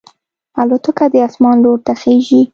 الوتکه د اسمان لور ته خېژي.